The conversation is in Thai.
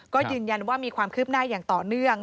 ก็ยืนยันว่ามีความคืบหน้าอย่างต่อเนื่อง